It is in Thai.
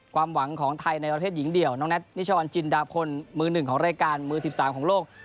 ความหวังของไทยในประเภทหญิงเดี่ยวน้องแท็นิชวันจินดาพลมือหนึ่งของรายการมือ๑๓ของโลก